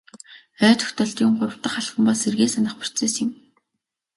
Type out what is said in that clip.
Ой тогтоолтын гурав дахь алхам бол сэргээн санах процесс юм.